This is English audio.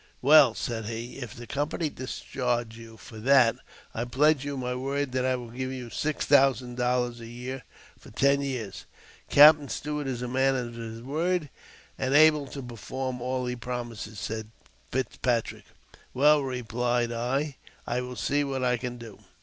" Well," said he, " if the company discharge you for that, I pledge you my word that I will give you six thousand dollars a year for ten years." " Captain Stuart is a man of his word, and able to perform all he promises," said Fitzpatrick. " Well," replied I, " I will see what I can do."